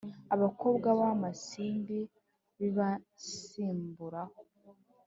Abakobwa b'amasimbi bibasimbiraho